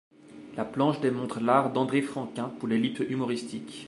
La planche démontre l'art d'André Franquin pour l'ellipse humoristique.